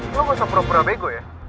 gue gak usah pura pura bego ya